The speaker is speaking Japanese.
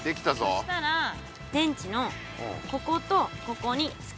そしたら電池のこことここにつける。